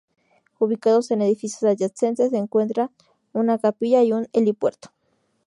Ubicados en edificios adyacentes se encuentran una capilla y un helipuerto.